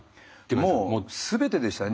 もう全てでしたね。